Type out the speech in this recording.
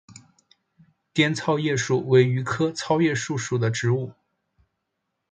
滇糙叶树为榆科糙叶树属的植物。